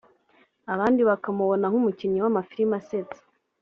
abandi bakamubona nk’umukinnyi w’amafilimi asetsa